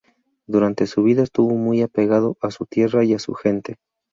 Durante su vida estuvo muy apegado a su tierra y a su gente.